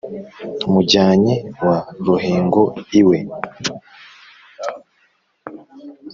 mujyanyi wa ruhingo iwe